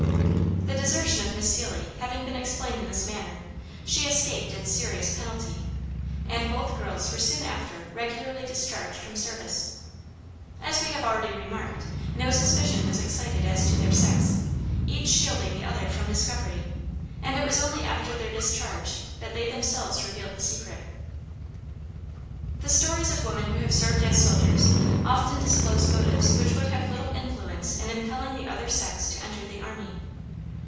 The desertion of Miss Seelye having been explained in this manner, she escaped its serious penalty, and both the girls were soon after regularly discharged from service. As we have already remarked, no suspicion was excited as to their sex, each shielding the other from discovery, and it was only after their discharge that they themselves revealed the secret. The stories of women who have served as soldiers often disclose motives which would have little influence in impelling the other sex to enter the army.